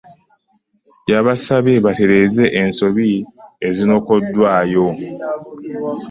Yabasabye batereze ensobi ezaanokiddwaayo.